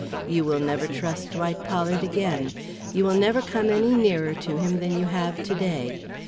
You will never trust Dwight Pollard again. You will never come any nearer to him than you have to day.